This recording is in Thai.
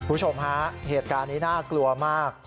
คุณผู้ชมฮะเหตุการณ์นี้น่ากลัวมาก